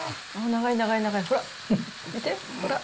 長い、長い、ほら。